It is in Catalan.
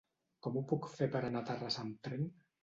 Com ho puc fer per anar a Terrassa amb tren?